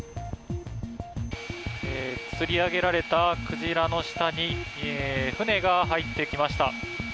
つり上げられたクジラの下に船が入ってきました。